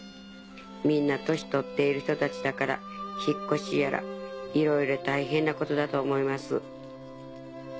みんな年取っている人たちだから引っ越しやらいろいろ大変なことだと思います」。